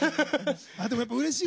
でもやっぱうれしい。